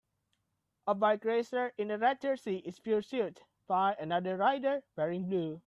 A bike racer in a red jersey is pursued by another rider wearing blue.